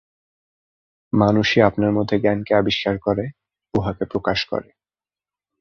মানুষই আপনার মধ্যে জ্ঞানকে আবিষ্কার করে, উহাকে প্রকাশ করে।